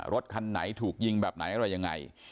รถคันไหนถูกยิงแบบไหนอะไรยังไง